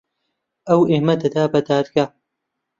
ئەو ئێمە دەدات بە دادگا.